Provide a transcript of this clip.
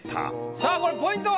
さあこれポイントは？